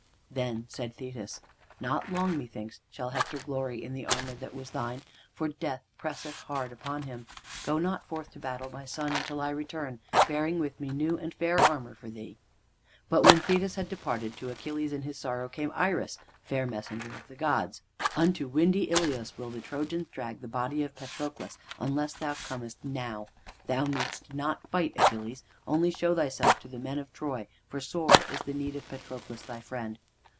Then said Thetis: "Not long, methinks, shall Hector glory in the armor that was thine, for Death presseth hard upon him. Go not forth to battle, my son, until I return, bearing with me new and fair armor for thee." But when Thetis had departed, to Achilles in his sorrow came Iris, fair messenger of the gods. "Unto windy Ilios will the Trojans drag the body of Patroclus unless thou comest now. Thou needst not fight, Achilles, only show thyself to the men of Troy, for sore is the need of Patroclus thy friend."